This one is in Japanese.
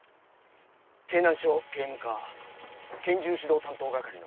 京南署警務課拳銃指導担当係の玉城です。